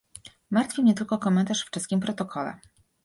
Martwi mnie tylko komentarz w czeskim protokole